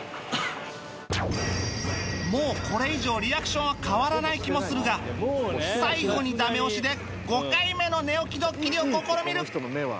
もうこれ以上リアクションは変わらない気もするが最後にダメ押しで５回目の寝起きドッキリを試みる！